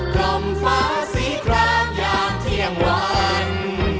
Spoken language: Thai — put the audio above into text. กล่อมฟ้าสีครามยามเที่ยงวัน